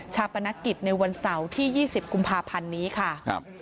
ปนกิจในวันเสาร์ที่๒๐กุมภาพันธ์นี้ค่ะ